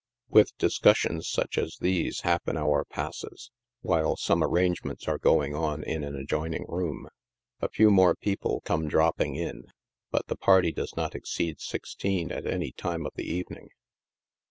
With discussions such as these half an hour passes, while some arrangements are going on in an adjoining room. A few more peo ple come dropping in, but the party does not exceed sixteen at any time of the evening.